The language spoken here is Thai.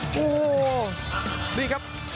โอ้โหนี่ครับ